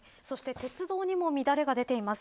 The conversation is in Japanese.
鉄道にも乱れが出ています。